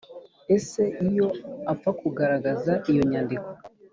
ese iyo apfa kugaragaza iyo nyandiko